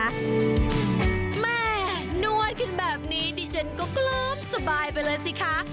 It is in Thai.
แหมนวดขึ้นแบบนี้ดิฉันก็เกลิ่มสบายไปเลยสิค่ะ